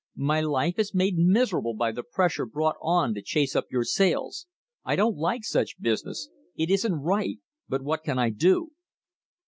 "My life is made miserable by the pressure brought on to chase up your sales. I don't like such business. It isn't right, but what can I do?"